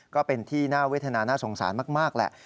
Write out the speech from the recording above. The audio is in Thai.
ก็เป็นที่น่าเวทนาน่าสงสารมากแหละ